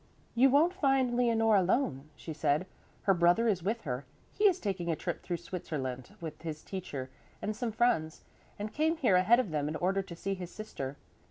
"You won't find Leonore alone," she said, "her brother is with her. He is taking a trip through Switzerland with his teacher and some friends, and came here ahead of them in order to see his sister.